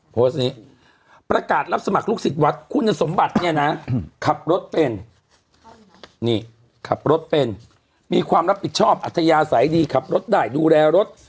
โพสต์นี้ประกาศรับสมัครลูกศิษย์วัดคุณสมบัติเนี่ยนะขับรถเป็นนี่ขับรถเป็นมีความรับผิดชอบอัธยาศัยดีขับรถได้ดูแลรถ